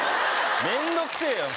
面倒くせえよ！